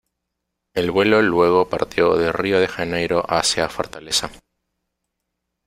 El vuelo luego partió de Río de Janeiro hacia Fortaleza.